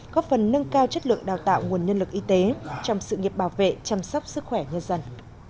góp phần nâng cao chất lượng đào tạo nguồn nhân lực y tế trong sự nghiệp bảo vệ chăm sóc sức khỏe nhân dân